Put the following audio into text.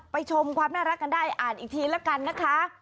ชมความน่ารักกันได้อ่านอีกทีละกันนะคะ